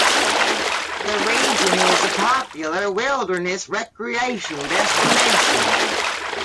The region is a popular wilderness recreation destination.